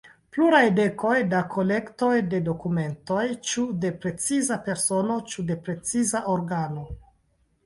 Pluraj dekoj da kolektoj de dokumentoj ĉu de preciza persono ĉu de preciza organizo.